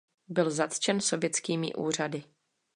Byl zatčen sovětskými úřady.